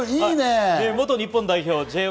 元日本代表Ｊ１